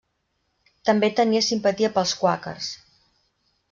També tenia simpatia pels quàquers.